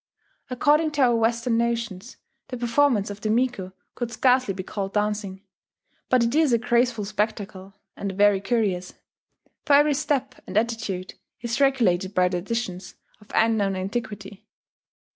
According to our Western notions. the performance of the miko could scarcely be called dancing; but it is a graceful spectacle, and very curious, for every step and attitude is regulated by traditions of unknown antiquity.